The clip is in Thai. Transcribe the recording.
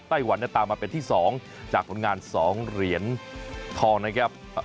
หวันตามมาเป็นที่๒จากผลงาน๒เหรียญทองนะครับ